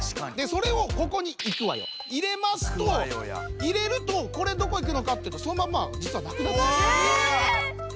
それをここに入れますと入れるとこれどこ行くのかっていうとそのまんまじつはなくなって。